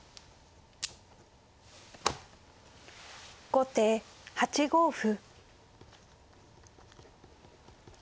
後手８五歩。